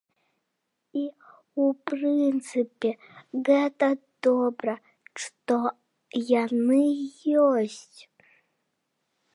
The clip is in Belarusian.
І ў прынцыпе, гэта добра, што яны ёсць.